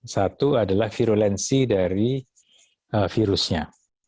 satu adalah virulensi dari virusnya